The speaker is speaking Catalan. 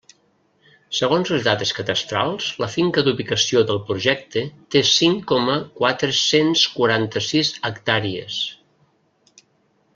Segons les dades cadastrals la finca d'ubicació del Projecte té cinc coma quatre-cents quaranta-sis hectàrees.